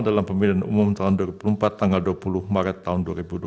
dalam pemilihan umum tahun dua ribu empat tanggal dua puluh maret tahun dua ribu dua puluh